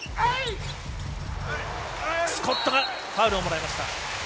スコットがファウルをもらいました。